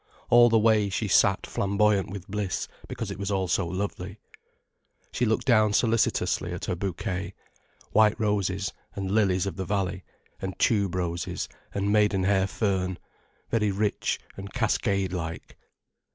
All the way she sat flamboyant with bliss because it was all so lovely. She looked down solicitously at her bouquet: white roses and lilies of the valley and tube roses and maidenhair fern—very rich and cascade like.